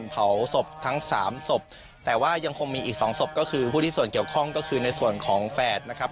ผู้ที่ส่วนเกี่ยวข้องก็คือในส่วนของแฝดนะครับ